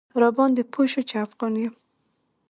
راباندې پوی شو چې افغان یم.